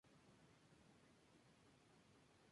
En los sellos más antiguos aparece tan solo las tres ramas.